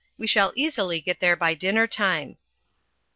We shall easily get there by dinner time."